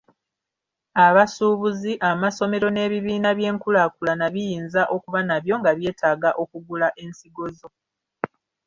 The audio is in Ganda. Abasuubuzi, amasomero n’ebibiina by’enkulaakulana biyinza okuba nabyo nga byetaaga okugula ensigo zo.